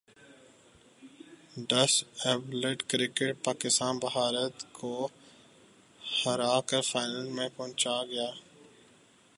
ڈس abled cricket Pakistan Bharat کو ہراکر final میں پہنچ گیا